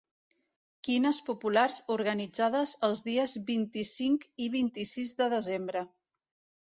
Quines populars organitzades els dies vint-i-cinc i vint-i-sis de desembre.